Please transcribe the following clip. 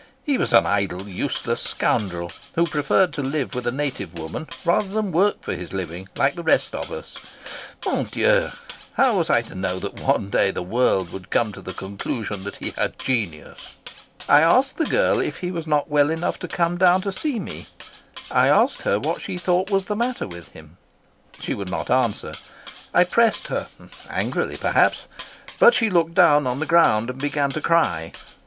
He was an idle, useless scoundrel, who preferred to live with a native woman rather than work for his living like the rest of us. , how was I to know that one day the world would come to the conclusion that he had genius? I asked the girl if he was not well enough to have come down to see me. I asked her what she thought was the matter with him. She would not answer. I pressed her, angrily perhaps, but she looked down on the ground and began to cry.